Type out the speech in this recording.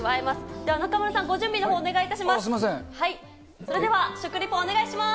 では中丸さん、ご準備のほうお願いいたします。